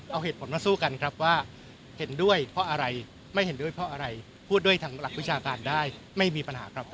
เอาเหตุผลมาสู้กันครับว่าเห็นด้วยเพราะอะไรไม่เห็นด้วยเพราะอะไรพูดด้วยทางหลักวิชาการได้ไม่มีปัญหาครับ